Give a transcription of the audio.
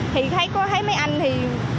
thì thấy mấy anh thì